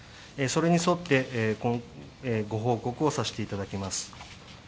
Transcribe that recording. それに沿って、ご報告をさせていただきます。